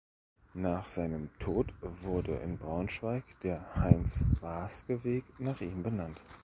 Nach seinem Tod wurde in Braunschweig der "Heinz-Waaske-Weg" nach ihm benannt.